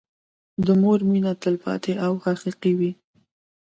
د مور مينه تلپاتې او حقيقي وي.